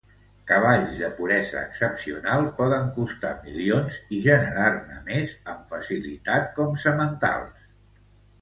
Cavalls de puresa excepcional poden costar milions i generar-ne més amb facilitat com sementals.